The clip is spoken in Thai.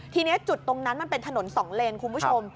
ทีนี้จุดตรงนั้นมันเป็นถนน๒เลนคุณผู้ชม